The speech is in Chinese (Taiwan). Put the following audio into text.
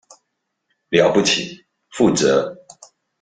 了不起，負責